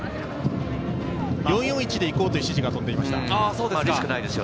４−４−１でいこうという指示が出ていました。